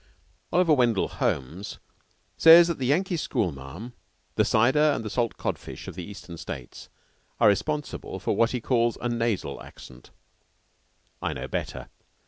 Oliver Wendell Holmes says that the Yankee school marm, the cider and the salt codfish of the Eastern States, are responsible for what he calls a nasal accent. I know better.